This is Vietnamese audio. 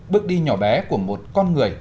bước đi nhỏ bé của một con người